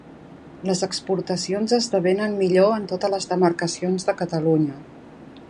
Les exportacions esdevenen millor en totes les demarcacions de Catalunya.